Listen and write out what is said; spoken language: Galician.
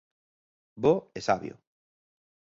Bo e sabio".